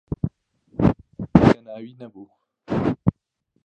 ئەو پێکەنیناوی نەبوو.